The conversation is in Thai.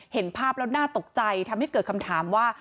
เห็นภาพแล้วน่าตกใจทำให้เกิดคำถามว่า